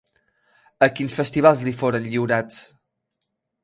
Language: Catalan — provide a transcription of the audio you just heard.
A quins festivals li foren lliurats?